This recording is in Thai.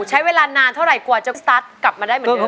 ใช้เวลานานเท่าไหร่กว่าจะสตาร์ทกลับมาได้เหมือนเดิม